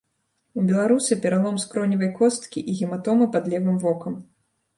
У беларуса пералом скроневай косткі і гематома пад левым вокам.